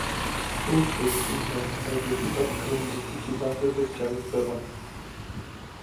Бул сүрөттүн жанында депутат Крым — биздики дагы деп жазып койгон.